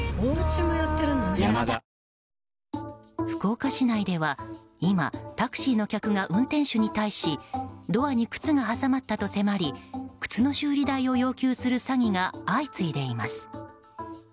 福岡市内では今、タクシーの客が運転手に対しドアに靴が挟まったと迫り靴の修理代を要求する詐欺が相次いでいます。